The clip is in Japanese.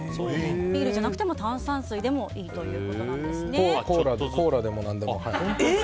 ビールじゃなくても炭酸水でもいいコーラでも何でも。